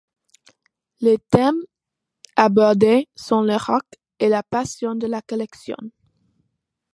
Les thèmes abordés sont le rock et la passion de la collection.